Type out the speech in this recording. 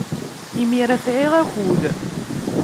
Imir-a, sɛiɣ akud.